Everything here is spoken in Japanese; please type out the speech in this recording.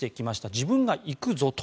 自分が行くぞと。